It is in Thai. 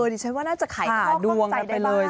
ดิฉันว่าน่าจะขายข้อข้องใจได้บ้าง